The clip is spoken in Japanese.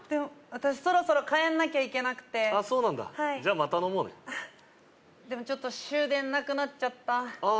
私そろそろ帰んなきゃいけなくてあっそうなんだじゃあまた飲もうねでもちょっと終電なくなっちゃったああ